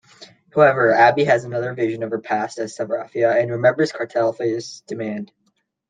However, Abby has another vision of her past as Seraphia and remembers Cartaphilus' demand.